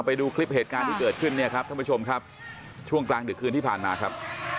ไปดูคลิปเหตุการณ์ที่เกิดขึ้นเนี่ยครับท่านผู้ชมครับช่วงกลางดึกคืนที่ผ่านมาครับ